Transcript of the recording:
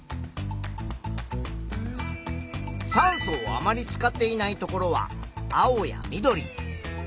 酸素をあまり使っていないところは青や緑。